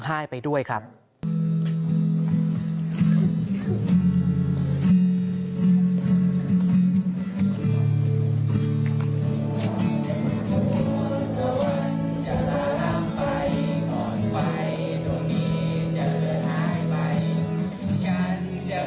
น้องคิตตี้เป็นครั้งสุดท้ายก่อนเคลื่อนร่วมไว้อาลัยด้วยแล้วก็ร้องเพลงก็ร้อง